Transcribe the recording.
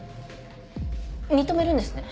認めるんですね？